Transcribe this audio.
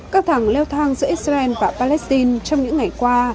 các thằng leo thang giữa israel và palestine trong những ngày qua